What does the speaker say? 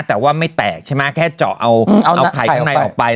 แต่ว่าไม่แตกใช่ไหมแค่เจาะเอาไข่ข้างในออกไป